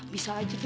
bisa aja deh